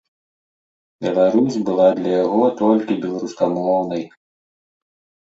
Беларусь была для яго толькі беларускамоўнай.